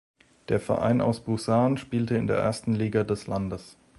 Der Verein aus Busan spielte in der ersten Liga des Landes.